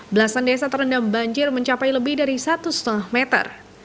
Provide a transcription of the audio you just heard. belasan desa terendam banjir mencapai lebih dari satu lima meter